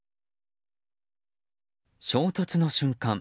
衝突の瞬間